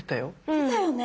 出たよね。